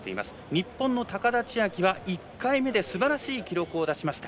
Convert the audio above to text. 日本の高田千明は１回目ですばらしい記録を出しました。